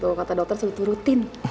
tuh kata dokter selalu turutin